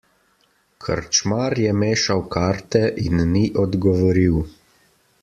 Krčmar je mešal karte in ni odgovoril.